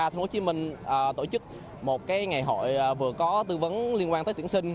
tp hcm tổ chức một ngày hội vừa có tư vấn liên quan tới tuyển sinh